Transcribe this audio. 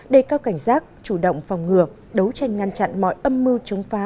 đề cao cảnh giác chủ động phòng ngừa đấu tranh ngăn chặn mọi âm mưu chống phá